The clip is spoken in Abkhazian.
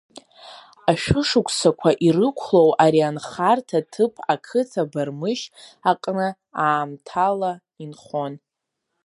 Ашәышықәсақәа ирықәлоу ари анхарҭа ҭыԥ ақыҭа Бармышь аҟны аамҭала инхон…